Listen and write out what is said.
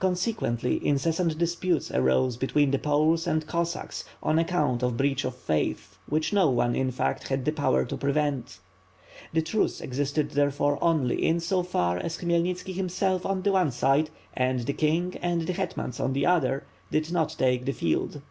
Con sequently, incessant disputes arose between the Poles and Cossacks on account of breach of faith, which no one, in fact, had the power to prevent. The truce existed therefore only in so far as Khmyelnitski, himself, on one side, and the king and the hetmane on the other did not take the field.